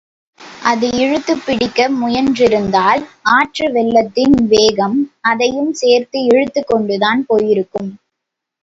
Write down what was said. அது இழுத்துப் பிடிக்க முயன்றிருந்தால் ஆற்று வெள்ளத்தின் வேகம் அதையும் சேர்த்து இழுத்துக்கொண்டுதான் போயிருக்கும்.